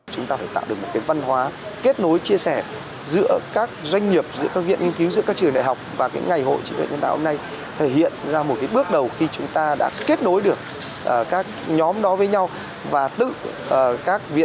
chúng ta phải tạo được một cái văn hóa kết nối chia sẻ giữa các doanh nghiệp giữa các viện nghiên cứu giữa các trường đại học và ngày hội trí tuệ nhân tạo hôm nay thể hiện ra một bước đầu khi chúng ta đã kết nối được các nhóm đó với nhau và tự các viện